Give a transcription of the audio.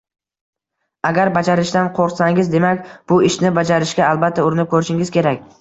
Agar bajarishdan qo’rqsangiz, demak bu ishni bajarishga albatta urinib ko’rishingiz kerak